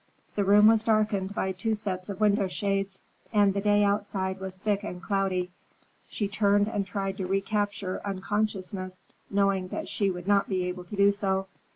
The room was darkened by two sets of window shades, and the day outside was thick and cloudy. She turned and tried to recapture unconsciousness, knowing that she would not be able to do so.